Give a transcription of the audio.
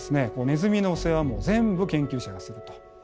ネズミの世話も全部研究者がすると。